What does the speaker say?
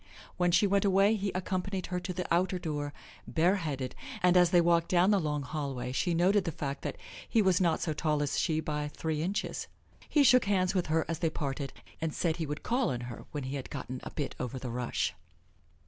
When she went away, he accompanied her to the outer door, bareheaded, and as they walked down the long hallway she noted the fact that he was not so tall as she by three inches. He shook hands with her as they parted, and said he would call on her when he had gotten a bit over the rush.